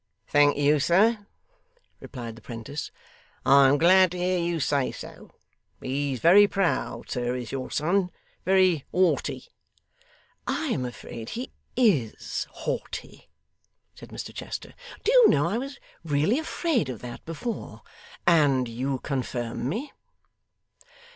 'Thank you, sir,' replied the 'prentice. 'I'm glad to hear you say so. He's very proud, sir, is your son; very haughty.' 'I am afraid he IS haughty,' said Mr Chester. 'Do you know I was really afraid of that before; and you confirm me?